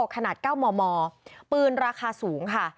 ขนาด๙มมปืนราคาสูงค่ะ